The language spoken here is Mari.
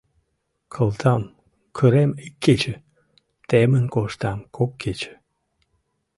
Кылтам кырем ик кече, темын коштам кок кече.